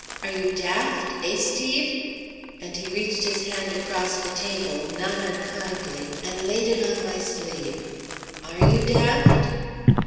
Are you daft, eh, Steve?" and he reached his hand across the table not unkindly, and laid it on my sleeve. "Are you daft?"